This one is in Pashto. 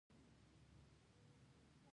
هګۍ د زړه روغتیا ته ښه ده.